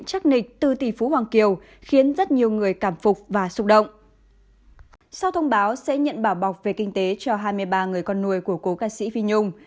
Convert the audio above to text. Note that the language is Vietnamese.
sau thông báo sẽ nhận bảo bọc về kinh tế cho hai mươi ba người con nuôi của cô ca sĩ phi nhung